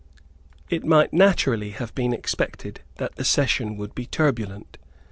It might naturally have been expected that the session would be turbulent.